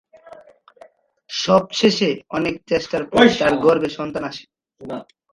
অবশেষে অনেক চেষ্টার পর তার গর্ভে সন্তান আসে।